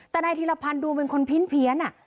แต่ในทีละพันธุ์ดูเป็นคนเพี้ยนน่ะ